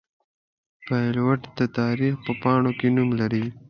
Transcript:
پیلوټ د تاریخ په پاڼو کې نوم لري.